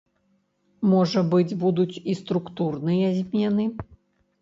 Можа быць, будуць і структурныя змены.